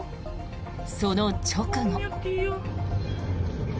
その直後。